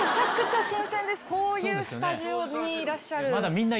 こういうスタジオにいらっしゃる。